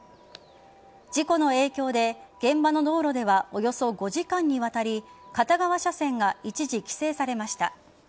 事故の影響で現場の道路ではおよそ５時間にわたり片側車線が一時規制されました。